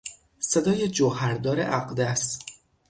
صدای جوهردار اقدس